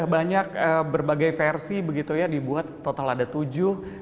banyak berbagai versi begitu ya dibuat total ada tujuh